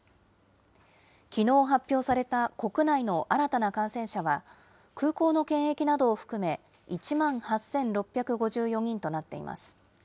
きのう発表された国内の新たな感染者は、空港の検疫などを含め、１万８６５４人となっています。